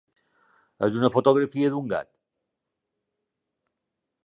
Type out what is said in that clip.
És una fotografia d'un gat?